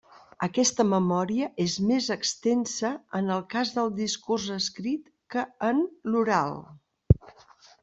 Aquesta memòria és més extensa en el cas del discurs escrit que en l'oral.